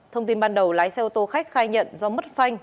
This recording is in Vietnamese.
thông tin ban đầu lái xe ô tô khách khai nhận do mất phanh